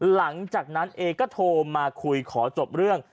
หลังจากนั้นเอก็โทรมาคุยขอจบเรื่อง